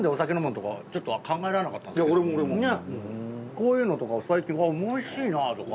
こういうのとかを最近わっおいしいなとか。